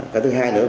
cái thứ hai nữa